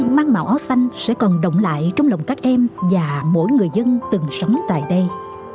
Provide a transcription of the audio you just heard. hình ảnh về những gia sư mang màu áo xanh sẽ còn đồng lại trong lòng các em và mỗi người dân từng sống tại đây